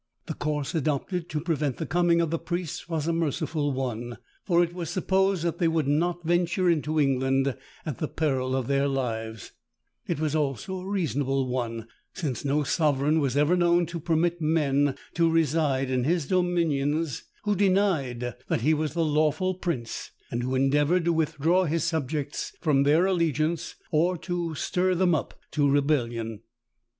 The course adopted to prevent the coming of the priests was a merciful one, for it was supposed that they would not venture into England at the peril of their lives: it was also a reasonable one, since no sovereign was ever known to permit men to reside in his dominions, who denied that he was the lawful prince, and who endeavoured to withdraw his subjects from their allegiance, or stir them up to rebellion.